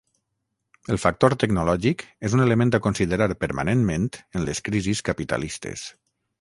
El factor tecnològic és un element a considerar permanentment en les crisis capitalistes.